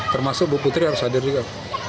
termasuk bu putri harus hadir juga